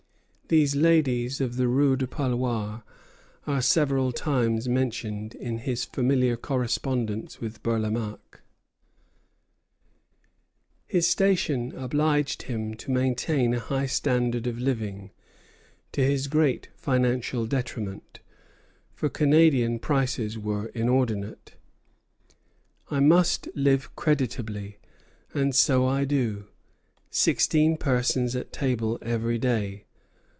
These ladies of the Rue du Parloir are several times mentioned in his familiar correspondence with Bourlamaque. His station obliged him to maintain a high standard of living, to his great financial detriment, for Canadian prices were inordinate. "I must live creditably, and so I do; sixteen persons at table every day.